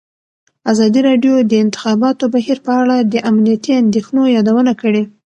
ازادي راډیو د د انتخاباتو بهیر په اړه د امنیتي اندېښنو یادونه کړې.